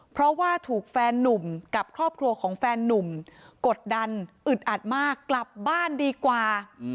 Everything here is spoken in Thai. เพราะว่าถูกแฟนนุ่มกับครอบครัวของแฟนนุ่มกดดันอึดอัดมากกลับบ้านดีกว่า